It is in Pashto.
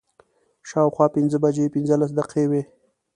شا او خوا پنځه بجې پنځلس دقیقې وې.